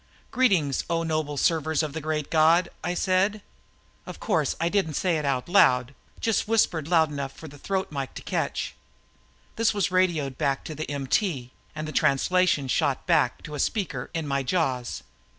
"Greetings, O noble servers of the Great God," I said. Of course I didn't say it out loud, just whispered loud enough for the throat mike to catch. This was radioed back to the MT and the translation shot back to a speaker in my jaws.